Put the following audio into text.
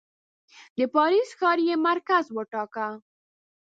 د پاریس ښار یې مرکز وټاکه.